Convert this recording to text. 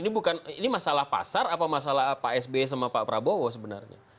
ini bukan ini masalah pasar apa masalah pak sby sama pak prabowo sebenarnya